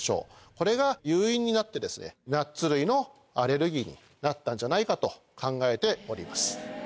これが誘因になってナッツ類のアレルギーになったんじゃないかと考えております。